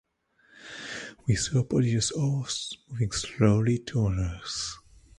We saw a prodigious host moving slowly toward us.